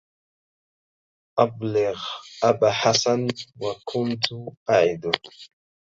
أبلغ أبا حسن وكنت أعده